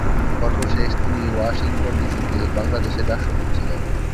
সর্বশেষ তিনি ওয়াশিংটন ডিসিতে বাংলাদেশের রাষ্ট্রদূত ছিলেন।